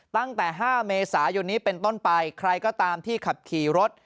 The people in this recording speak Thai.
ตั้งแต่๕เมษายนนี้เป็นต้นไปใครก็ตามที่ขับขี่รถ